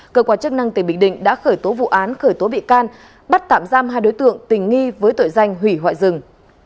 cơ quan chức năng tỉnh bình định đã khởi tố vụ án khởi tố bị can bắt tạm giam hai đối tượng tình nghi với tội danh hủy hoại rừng